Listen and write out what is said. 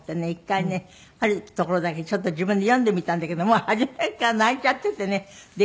１回ねあるところだけちょっと自分で読んでみたんだけどもう初めから泣いちゃっててねできなくて。